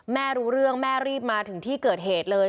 รู้เรื่องแม่รีบมาถึงที่เกิดเหตุเลย